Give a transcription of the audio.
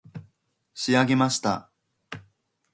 仕上げました